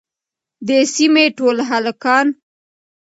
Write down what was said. د سيمې ټول هلکان